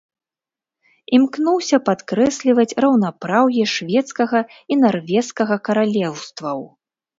Імкнуўся падкрэсліваць раўнапраўе шведскага і нарвежскага каралеўстваў.